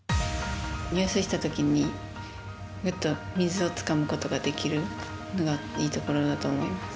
入水したときに、グッと水をつかむことができるのがいいところだと思います。